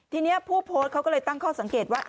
ทีนี้ผู้โพสต์เขาก็เลยตั้งข้อสังเกตว่า